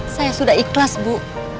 saya sudah ikhlas bu